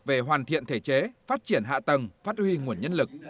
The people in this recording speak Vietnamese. về hoàn thiện thể chế phát triển hạ tầng phát huy nguồn nhân lực